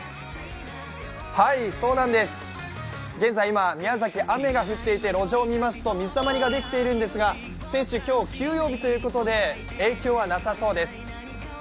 そうなんです現在、宮崎、雨が降ってまして路上を見ますと水たまりができているんですが選手、今日、休養日ということで影響はなさそうです。